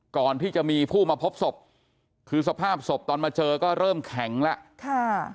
ก่อนที่จะมีผู้มาพบศพคือสภาพศพตอนมาเจอก็เริ่มแข็งแล้วค่ะ